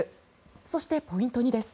そしてポイント２です。